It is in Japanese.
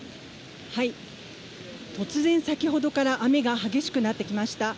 突然、先ほどから雨が激しくなってきました。